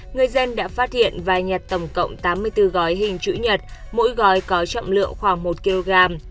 người dân đã phát hiện và nhặt tổng cộng tám mươi bốn gói hình chữ nhật mỗi gói có trọng lượng khoảng một kg